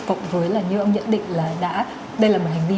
cộng với là như ông nhận định là đã đây là một hành vi